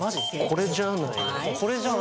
これじゃないの？